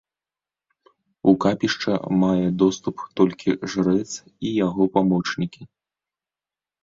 У капішча мае доступ толькі жрэц і яго памочнікі.